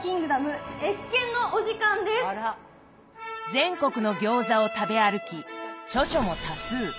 全国の餃子を食べ歩き著書も多数。